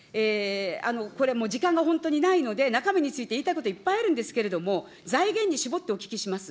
これ、もう時間が本当にないので、中身について、言いたいこといっぱいあるんですけれども、財源に絞ってお聞きします。